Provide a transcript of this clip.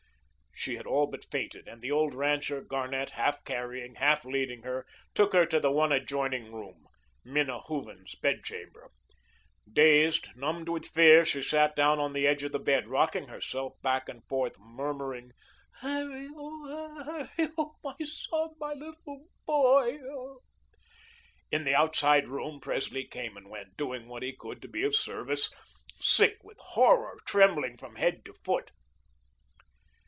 She had all but fainted, and the old rancher, Garnett, half carrying, half leading her, took her to the one adjoining room Minna Hooven's bedchamber. Dazed, numb with fear, she sat down on the edge of the bed, rocking herself back and forth, murmuring: "Harrie, Harrie, oh, my son, my little boy." In the outside room, Presley came and went, doing what he could to be of service, sick with horror, trembling from head to foot.